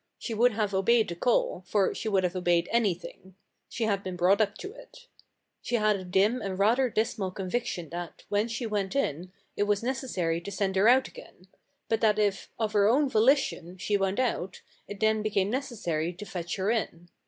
She would have obeyed the call, for she would have obeyed anything. She had been brought up to it. She had a dim and rather dismal conviction that, when she went in, it was necessary to send her out again; but that if, of her own volition, she went out, it then became necessary to fetch her in.